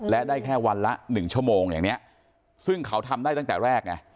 และได้แค่วันละ๑ชั่วโมงอย่างนี้ซึ่งเขาทำได้ตั้งแต่แรกไง